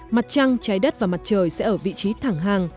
mặt trăng trái đất và mặt trời sẽ ở vị trí thẳng hàng